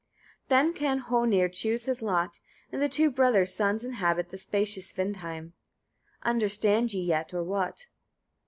61. Then can Hoenir choose his lot, and the two brothers' sons inhabit the spacious Vindheim. Understand ye yet, or what?